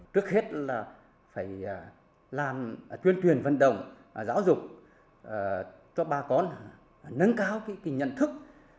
trước hết là phải làm tuyên truyền vận động giáo dục cho bà con nâng cao cái nhận thức